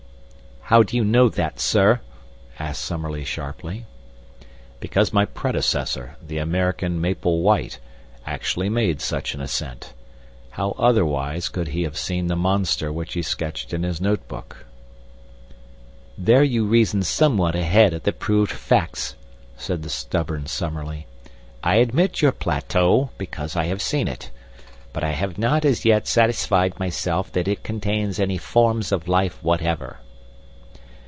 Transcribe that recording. "How do you know that, sir?" asked Summerlee, sharply. "Because my predecessor, the American Maple White, actually made such an ascent. How otherwise could he have seen the monster which he sketched in his notebook?" "There you reason somewhat ahead of the proved facts," said the stubborn Summerlee. "I admit your plateau, because I have seen it; but I have not as yet satisfied myself that it contains any form of life whatever."